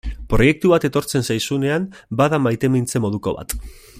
Proiektu bat etortzen zaizunean bada maitemintze moduko bat.